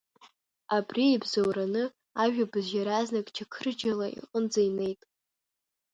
Абри иабзоураны ажәабжь иаразнак Чақырџьалы иҟынӡа инеит.